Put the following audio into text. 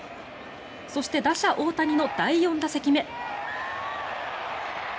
そして打者・大谷の第４打席目。